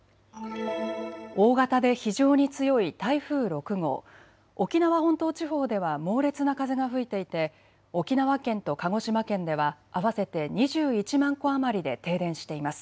大型で非常に強い台風６号、沖縄本島地方では猛烈な風が吹いていて沖縄県と鹿児島県では合わせて２１万戸余りで停電しています。